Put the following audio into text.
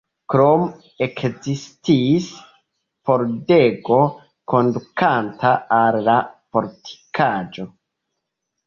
Krome ekzistis pordego kondukanta al la fortikaĵo.